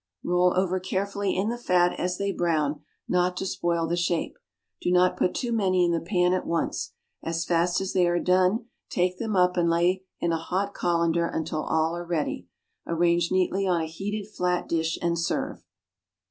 Roll over carefully in the fat as they brown, not to spoil the shape. Do not put too many in the pan at once; as fast as they are done take them up and lay in a hot colander until all are ready. Arrange neatly on a heated flat dish and serve.